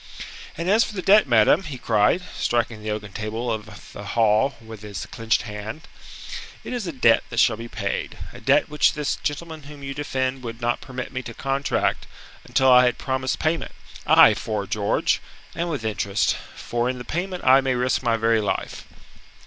"And as for the debt, madam," he cried, striking the oaken table of the hall with his clenched hand, "it is a debt that shall be paid, a debt which this gentleman whom you defend would not permit me to contract until I had promised payment aye, 'fore George! and with interest, for in the payment I may risk my very life."